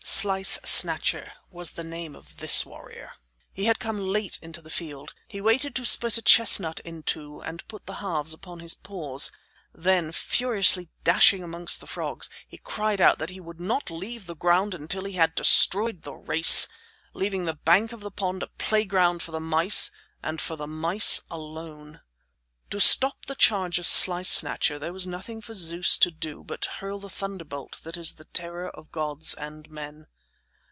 Slice Snatcher was the name of this warrior. He had come late into the field. He waited to split a chestnut in two and to put the halves upon his paws. Then, furiously dashing amongst the frogs, he cried out that he would not leave the ground until he had destroyed the race, leaving the bank of the pond a playground for the mice and for the mice alone. To stop the charge of Slice Snatcher there was nothing for Zeus to do but to hurl the thunderbolt that is the terror of gods and men.